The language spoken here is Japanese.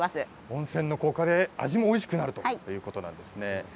温泉の効果で味がおいしくなるということですね。